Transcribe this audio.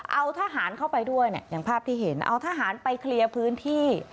เอาทหารเข้าไปด้วยเนี่ยอย่างภาพที่เห็นเอาทหารไปเคลียร์พื้นที่